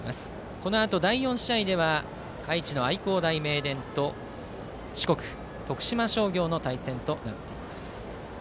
このあと第４試合では愛知の愛工大名電と四国、徳島商業の対戦。